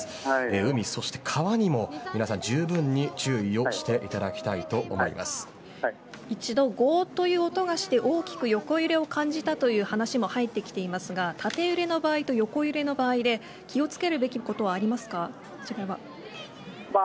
海そして川にもじゅうぶんに注意をして一度ゴーッという音がして大きく横揺れを感じたという話も入ってきていますが縦揺れの場合と横揺れの場合で気を付けるべきことはありますか。